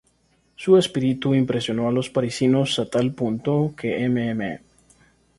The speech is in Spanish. Su espíritu impresionó a los parisinos a tal punto, que Mme.